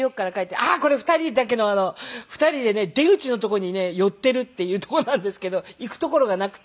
あっこれ２人だけの。２人でね出口のとこに寄っているっていうとこなんですけど行くところがなくて。